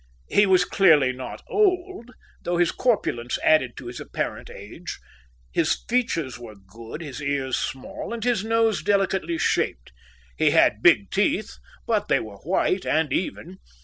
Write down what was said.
He was clearly not old, though his corpulence added to his apparent age. His features were good, his ears small, and his nose delicately shaped. He had big teeth, but they were white and even.